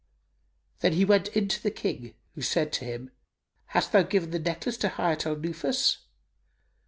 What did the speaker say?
Then he went in to the King who said to him "Hast thou given the necklace to Hayat al Nufus?"